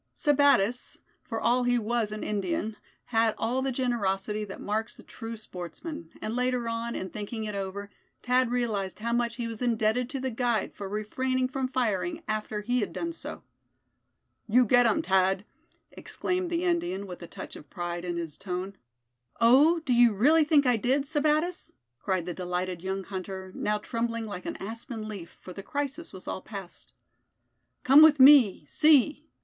Sebattis, for all he was an Indian, had all the generosity that marks the true sportsman; and later on, in thinking it over, Thad realized how much he was indebted to the guide for refraining from firing after he had done so. "You get um, Tad!" exclaimed the Indian, with a touch of pride in his tone. "Oh! do you really think I did, Sebattis?" cried the delighted young hunter, now trembling like an aspen leaf, for the crisis was all past. "Come with me; see!"